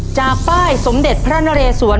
จากป้ายสมเด็จพระนเรศวร